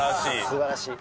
素晴らしい。